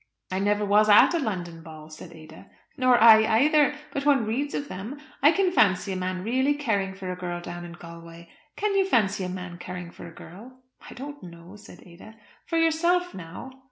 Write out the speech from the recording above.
"I never was at a London ball," said Ada. "Nor I either; but one reads of them. I can fancy a man really caring for a girl down in Galway. Can you fancy a man caring for a girl?" "I don't know," said Ada. "For yourself, now?"